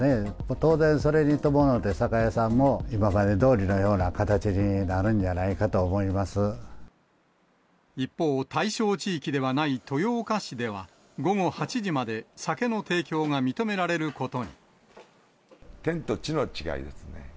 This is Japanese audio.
当然、それに伴って酒屋さんも今までどおりのような形になるんじゃない一方、対象地域ではない豊岡市では、午後８時まで酒の提供が認められ天と地の違いですね。